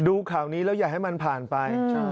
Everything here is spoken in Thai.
ข่าวนี้แล้วอย่าให้มันผ่านไป